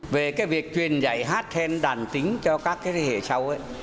về cái việc truyền dạy hát then đàn tính cho các thế hệ sau ấy